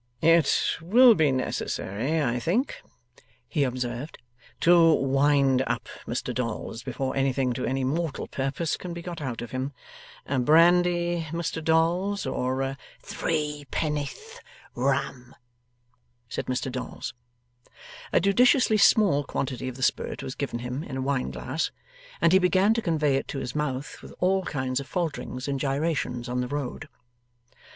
'It will be necessary, I think,' he observed, 'to wind up Mr Dolls, before anything to any mortal purpose can be got out of him. Brandy, Mr Dolls, or ?' 'Threepenn'orth Rum,' said Mr Dolls. A judiciously small quantity of the spirit was given him in a wine glass, and he began to convey it to his mouth, with all kinds of falterings and gyrations on the road.